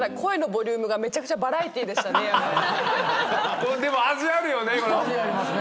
でも味あるよね。